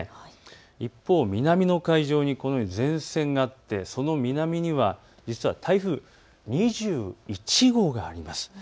一方、南の海上に前線があってその南には実は台風２１号があります。